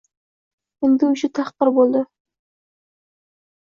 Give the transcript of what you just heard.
Hindu ishi tahqir bo’ldi